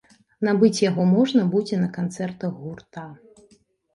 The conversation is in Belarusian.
Набыць яго можна будзе на канцэртах гурта.